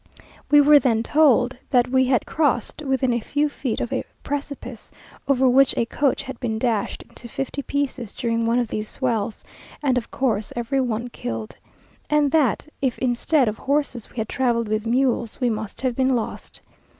We were then told that we had crossed within a few feet of a precipice over which a coach had been dashed into fifty pieces during one of these swells, and of course every one killed; and that if instead of horses we had travelled with mules, we must have been lost.